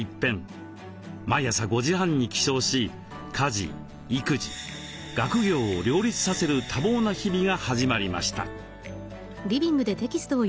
毎朝５時半に起床し家事育児学業を両立させる多忙な日々が始まりました。